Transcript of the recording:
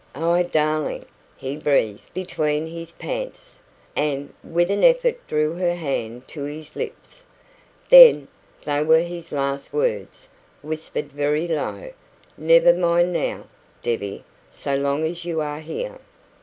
"Ah darling!" he breathed, between his pants, and with an effort drew her hand to his lips. Then they were his last words, whispered very low "Never mind now, Debbie so long as you are here."